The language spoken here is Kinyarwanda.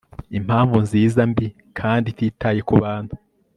impamvu nziza, mbi, kandi ititaye kubantu